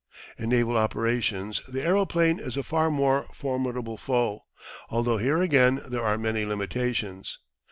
In naval operations the aeroplane is a far more formidable foe, although here again there are many limitations.